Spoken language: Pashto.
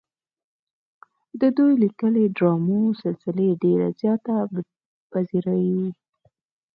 د دوي ليکلې ډرامو سلسلې ډېره زياته پذيرائي